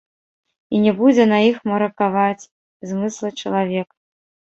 І не будзе на іх маракаваць змыслы чалавек.